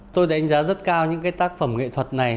tôi đánh giá rất cao những cái tác phẩm nghệ thuật này